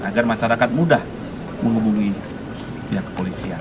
agar masyarakat mudah menghubungi pihak kepolisian